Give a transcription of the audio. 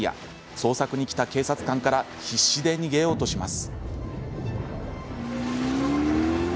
捜索に来た警察官から必死で逃げようとします。